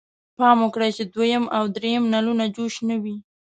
پام وکړئ چې دویم او دریم نلونه جوش نه وي.